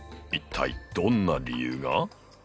一体どんな理由が？